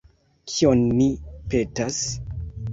Kion ni petas.